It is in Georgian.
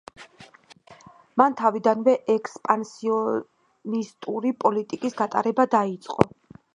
მან თავიდანვე ექსპანსიონისტური პოლიტიკის გატარება დაიწყო.